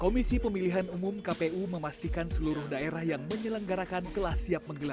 komisi pemilihan umum kpu memastikan seluruh daerah yang menyelenggarakan telah siap menggelar